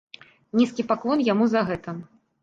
Нізкі паклон яму за гэта!